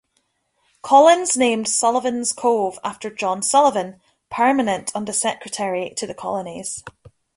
Collins named Sullivans Cove after John Sullivan, Permanent Under Secretary to the Colonies.